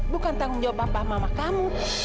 bukan tanggung jawab bapak mama kamu